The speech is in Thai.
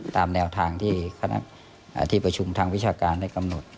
ตามแนวทางที่โปรชุมทางวิชาการให้กำหนด